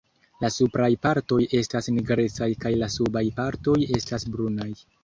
La supraj partoj estas nigrecaj kaj la subaj partoj estas brunaj.